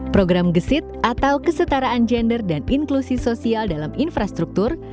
program gesit atau kesetaraan gender dan inklusi sosial dalam infrastruktur